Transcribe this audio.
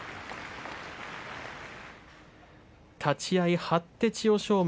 立ち合い張って千代翔